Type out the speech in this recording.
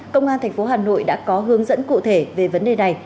công an thành phố hà nội đã có hướng dẫn cụ thể về vấn đề này